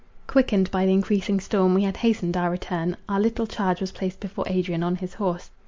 Quickened by the encreasing storm, we had hastened our return, our little charge was placed before Adrian on his horse.